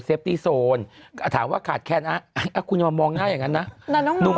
เซฟตี้โซนถามว่าขาดแค่นั้นอ่ะอ่ะคุณจะมามองหน้าอย่างงั้นนะน้องน้อง